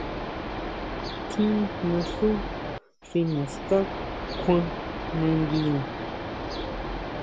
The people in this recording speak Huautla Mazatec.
Tjín naxú xi naská kjuan nanguina.